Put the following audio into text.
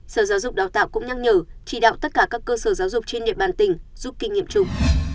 sở giáo dục đào tạo cũng nhắc nhở chỉ đạo tất cả các cơ sở giáo dục trên địa bàn tỉnh giúp kinh nghiệm chung